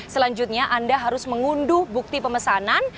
selanjutnya anda harus mengunduh bukti pemesanan